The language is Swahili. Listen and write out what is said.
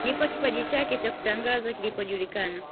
Ndipo kipaji chake cha utangazaji kilipojulikana